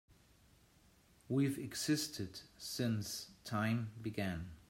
We've existed since time began.